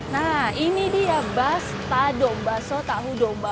nah ini dia bas ta domba baso tahu domba